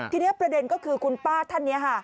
ทีนี้ประเด็นก็คือคุณป้าท่านนี้ค่ะ